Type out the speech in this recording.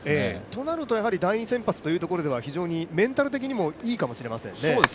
となると第２先発というところでは非常にメンタル的にもいいかもしれませんね。